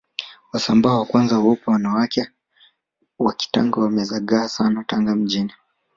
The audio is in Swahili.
Wasambaa kwanza weupe wanawake wa kitanga wamezagaa Sana Tanga mjini